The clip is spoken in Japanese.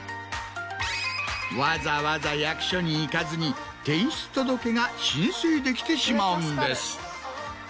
わざわざ役所に行かずに転出届が申請できてしまうんです。